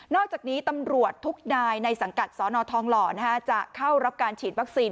อกจากนี้ตำรวจทุกนายในสังกัดสนทองหล่อจะเข้ารับการฉีดวัคซีน